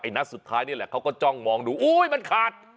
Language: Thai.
นัดสุดท้ายนี่แหละเขาก็จ้องมองดูโอ๊ยมันขาด